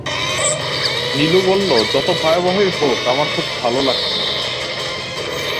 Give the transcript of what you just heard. নীলু বলল, যত ভয়াবহই হোক, আমার খুব ভালো লাগছে।